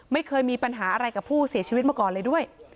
ไม่เคยมีปัญหาอะไรกับผู้เสียชีวิตมาก่อนเลยด้วย